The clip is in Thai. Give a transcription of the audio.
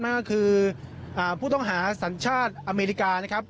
นั่นก็คือผู้ต้องหาสัญชาติอเมริกานะครับ